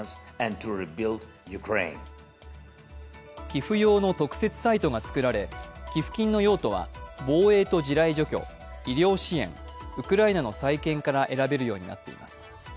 寄付用の特設サイトが作られ寄付金の用途は防衛と地雷除去、医療支援、ウクライナの再建から選べるようになっています。